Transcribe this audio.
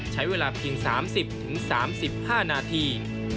ใช้เวลาเพียง๓๐๓๕นาที